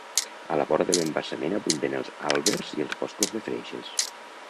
A la vora de l'embassament abunden els àlbers i els boscos de freixes.